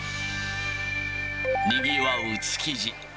にぎわう築地。